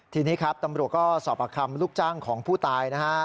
ที่นี้ตำรวจก็สอบอาคัมลูกจ้างของผู้ตายนะครับ